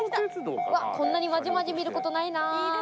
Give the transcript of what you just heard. こんなにまじまじ見ることないな。